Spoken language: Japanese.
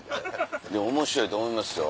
おもしろいと思いますよ